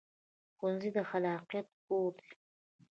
ښوونځی د خلاقیت کور دی